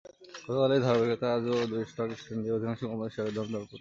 গতকালের ধারাবাহিকতায় আজও দুই স্টক এক্সচেঞ্জে অধিকাংশ কোম্পানির শেয়ারের দরপতন হয়েছে।